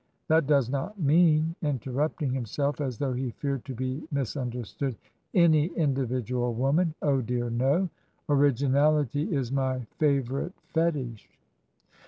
That does not mean" (interrupting himself, as though he feared to be misunderstood) "any individual woman. Oh dear, no; originality is my favourite fetish."